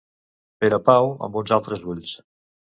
Perepau amb uns altres ulls.